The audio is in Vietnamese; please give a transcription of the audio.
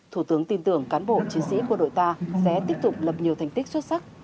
thủ tướng tin tưởng cán bộ chiến sĩ quân đội ta sẽ tiếp tục lập nhiều thành tích xuất sắc